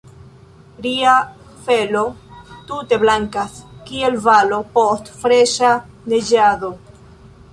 Ria felo tute blankas, kiel valo post freŝa neĝado.